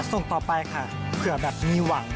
ส่งต่อไปค่ะเผื่อแบบมีหวัง